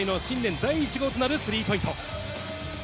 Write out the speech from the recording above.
第１号となるスリーポイント。